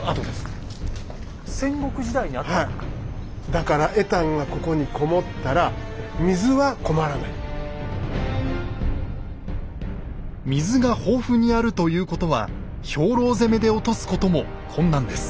だから水が豊富にあるということは兵糧攻めで落とすことも困難です。